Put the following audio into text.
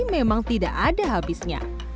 memang tidak ada habisnya